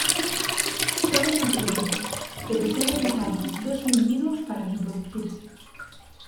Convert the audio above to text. Son hermafroditas, pero son necesarios dos individuos para reproducirse.